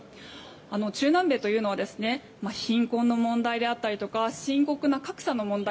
中南米というのは貧困の問題であったりとか深刻な格差の問題